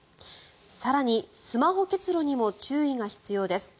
更に、スマホ結露にも注意が必要です。